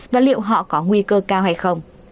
và liệu họ có nguy cơ cao hay không